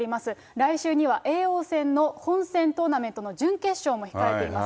来週には叡王戦の本戦トーナメントの準決勝も控えています。